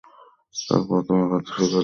তবে, প্রথম একাদশে খেলতে পারেননি।